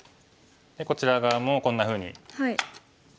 こちら側もこんなふうに。